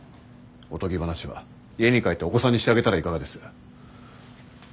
おとぎ話は家に帰ってお子さんにしてあげたらいかがです？